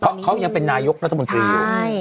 เพราะเขายังเป็นนายกรัฐมนตรีอยู่